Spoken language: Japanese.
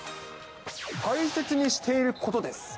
大切にしていることです。